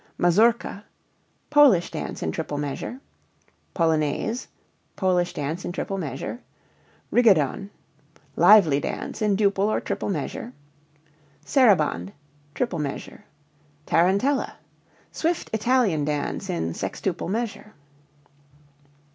Mazurka Polish dance in triple measure. Polonaise Polish dance in triple measure. Rigaudon lively dance in duple or triple measure. Sarabande triple measure. Tarantella swift Italian dance in sextuple measure.